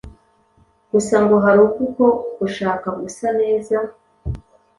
gusa ngo hari ubwo uko gushaka gusa neza